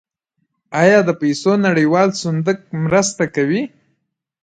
آیا د پیسو نړیوال صندوق مرسته کوي؟